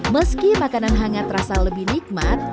meski makanan hangat rasa lebih nikmat